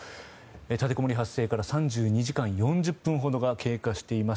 立てこもり発生から３２時間４０分ほどが経過しています。